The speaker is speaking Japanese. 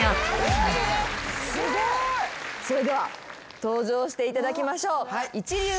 それでは登場していただきましょう。